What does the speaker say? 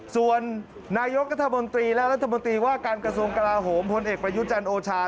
ส่วนนายกัธมนตรีและรัฐมนตรีว่าการกระทรวงกลาโหมพลเอกประยุจันทร์โอชา